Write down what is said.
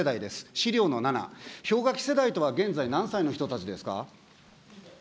資料の７、氷河期世代とは現在何歳の人たちですか。